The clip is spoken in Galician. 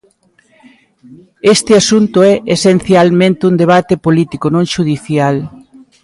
Este asunto é esencialmente un debate político non xudicial.